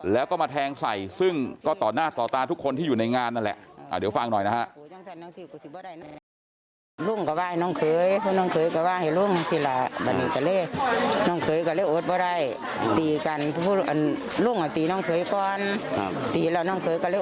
แล้วก็มาแทงใส่ซึ่งก็ต่อหน้าต่อตาทุกคนที่อยู่ในงานนั่นแหละ